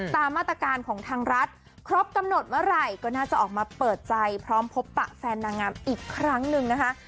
ตามมาตรการของทางรัฐครบกำหนดเมื่อไหร่ก็น่าจะออกมาเปิดใจพร้อมพบปะแฟนนางงามอีกครั้งหนึ่งนะคะ